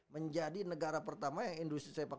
menjadi negara pertama yang industri sepak